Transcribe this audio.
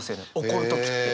怒る時って。